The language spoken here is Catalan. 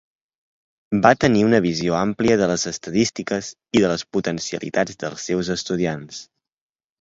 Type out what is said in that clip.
Va tenir una visió àmplia de les estadístiques i de les potencialitats dels seus estudiants.